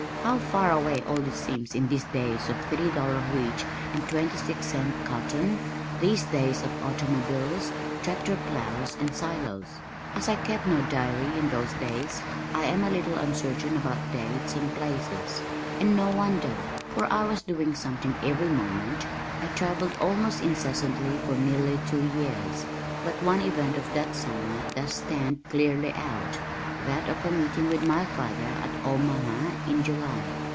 How far away all this seems in these days of three dollar wheat and twenty six cent cotton these days of automobiles, tractor plows, and silos! As I kept no diary in those days, I am a little uncertain about dates and places and no wonder, for I was doing something every moment (I travelled almost incessantly for nearly two years) but one event of that summer does stand clearly out that of a meeting with my father at Omaha in July.